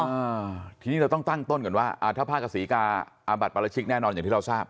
อ่าทีนี้เราต้องตั้งต้นก่อนว่าอ่าถ้าผ้ากษีกาอาบัติปราชิกแน่นอนอย่างที่เราทราบ